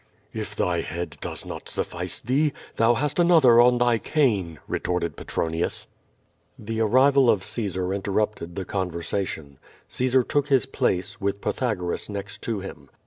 "If thy head does not suffice thee, thou hast another on thy cane," retorted Petronius. The arrival of Caesar interrupted the conversation. Caesar took his place, with Pythagoras next to him.